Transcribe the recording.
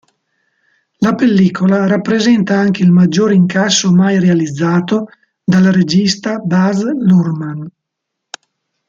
La pellicola rappresenta anche il maggiore incasso mai realizzato dal regista Baz Luhrmann.